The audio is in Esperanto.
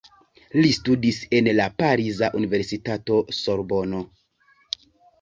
Li studis en la pariza universitato Sorbono.